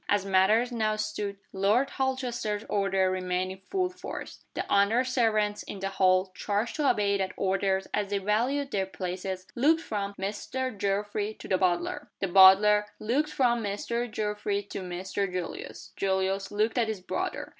As matters now stood, Lord Holchester's order remained in full force. The under servants in the hall (charged to obey that order as they valued their places) looked from "Mr. Geoffrey" to the butler, The butler looked from "Mr. Geoffrey" to "Mr. Julius." Julius looked at his brother.